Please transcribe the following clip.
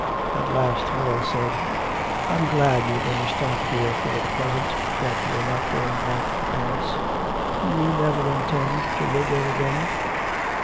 At last Harold said: 'I'm glad you're going to stop here for the present, that you're not going back to Paris. Do you never intend to live there again?'